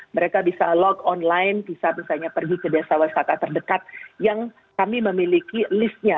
mereka bisa log online bisa misalnya pergi ke desa wisata terdekat yang kami memiliki listnya